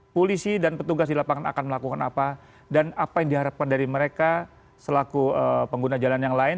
polisi dan petugas di lapangan akan melakukan apa dan apa yang diharapkan dari mereka selaku pengguna jalan yang lain